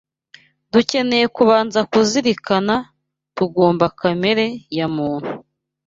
dukeneye kubanza kuzirikana tugomba kamere ya muntu